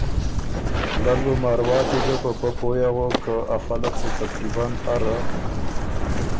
دل بُو مارواتی ګه په پۀ پویٛ اغوک که ا خلق سُو تقریباً اره